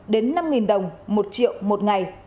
đến năm đồng một triệu một ngày